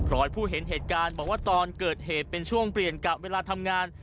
ผู้เห็นเหตุการณ์บอกว่าตอนเกิดเหตุเป็นช่วงเปลี่ยนกะเวลาทำงาน